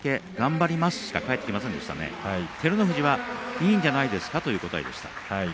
照ノ富士はいいんじゃないですかという答えでした。